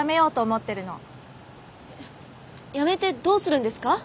えっ辞めてどうするんですか？